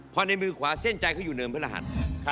พอในมือขวาเส้นใจเขาอยู่เนินพระรหัส